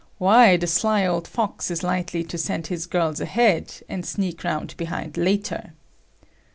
Why, the sly old fox is likely to send his girls ahead[Q], and sneak round behind later."